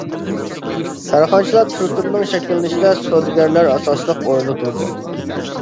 كارخانىچىلار تۈركۈمىنىڭ شەكىللىنىشىدە سودىگەرلەر ئاساسلىق ئورۇندا تۇرىدۇ.